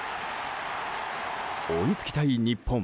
追いつきたい日本。